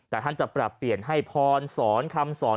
แต่ท่านจะปรับเปลี่ยนให้พรสอนคำสอน